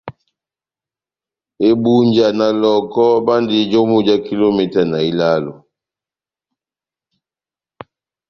Ebunja na Lɔh᷅ɔkɔ bandi jomu já kilometa ilálo.